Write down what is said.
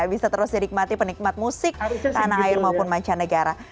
bisa terus didikmati penikmat musik tanah air maupun mancanegara